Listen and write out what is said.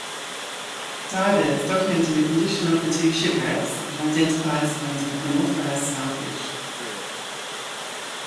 Divers documented the condition of the two shipwrecks, and identified signs of unauthorised salvage.